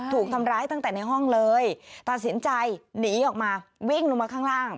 ถูกทำร้ายตั้งแต่ในห้องเลยตัดสินใจหนีออกมาวิ่งลงมาข้างล่าง